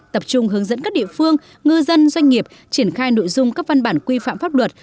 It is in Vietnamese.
tập trung hướng dẫn các địa phương ngư dân doanh nghiệp triển khai nội dung các văn bản quy phạm pháp luật